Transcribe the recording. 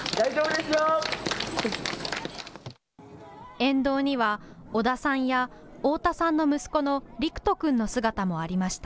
沿道には小田さんや太田さんの息子の陸斗君の姿もありました。